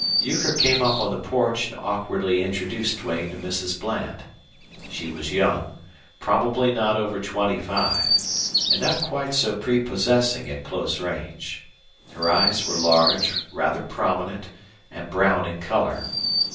Euchre came up on the porch and awkwardly introduced Duane to Mrs. Bland. She was young, probably not over twenty five, and not quite so prepossessing at close range. Her eyes were large, rather prominent, and brown in color.